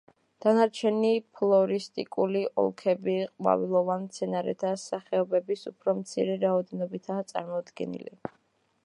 დანარჩენი ფლორისტიკული ოლქები ყვავილოვან მცენარეთა სახეობების უფრო მცირე რაოდენობითაა წარმოდგენილი.